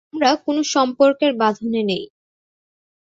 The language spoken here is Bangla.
আমরা কোনো সম্পর্কের বাঁধনে নেই।